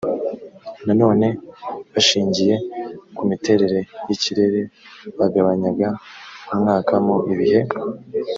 nanone bashingiye ku miterere y ikirere bagabanyaga umwaka mo ibihe